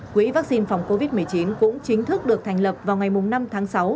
quỹ vaccine phòng covid một mươi chín cũng chính thức được thành lập vào ngày năm tháng sáu